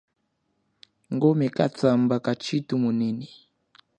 Ngombe kathama kashithu munene